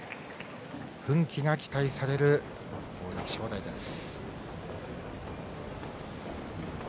奮起が期待される大関正代です。